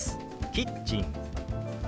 「キッチン」。